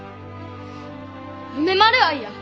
梅丸愛や。